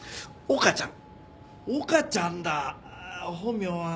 岡ちゃん